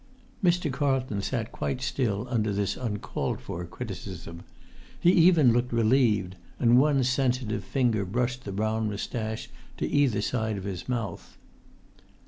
Mr. Carlton sat quite still under this uncalled for criticism; he even looked relieved, and one sensitive finger brushed the brown moustache to either side of his mouth.